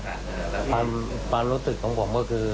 ความรู้สึกของผมก็คือ